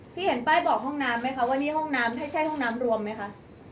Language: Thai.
เห็นป้ายบอกห้องน้ำไหมคะว่านี่ห้องน้ำใช่ห้องน้ำรวมไหมคะ